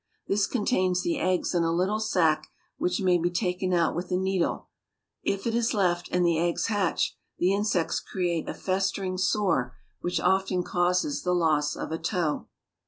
This contains the eggs in a little sack which may be taken out with needle. If it is left and the eggs hatch, the insects create a festering sore which often causes the loss of a toe.